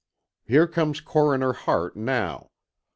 Here comes Coroner Hart now.